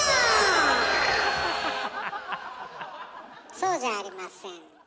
そうじゃありません。